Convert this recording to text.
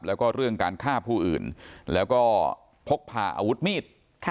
แล้วก็เรื่องการฆ่าผู้อื่นแล้วก็พกพาอาวุธมีด